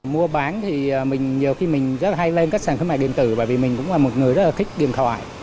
mua bán thì nhiều khi mình rất hay lên các sản phẩm mạng điện tử bởi vì mình cũng là một người rất là thích điện thoại